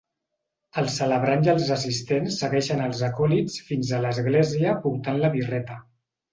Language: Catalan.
El celebrant i els assistents segueixen els acòlits fins a l'església portant la birreta.